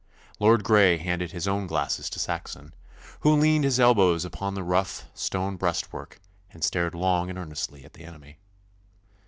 Lord Grey handed his own glasses to Saxon, who leaned his elbows upon the rough stone breastwork and stared long and earnestly at the enemy.